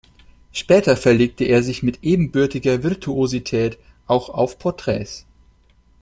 Später verlegte er sich mit ebenbürtiger Virtuosität auch auf Porträts.